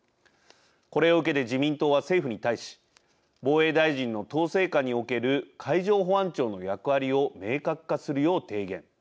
これを受けて自民党は政府に対し防衛大臣の統制下における海上保安庁の役割を明確化するよう提言。